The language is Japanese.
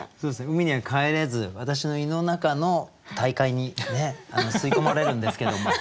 海には帰れず私の胃の中の大海にね吸い込まれるんですけども。